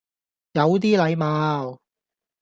有啲禮貌